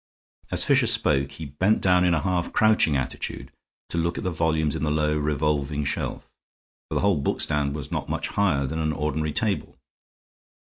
As Fisher spoke he bent down in a half crouching attitude, to look at the volumes in the low, revolving shelf, for the whole bookstand was not much higher than an ordinary table.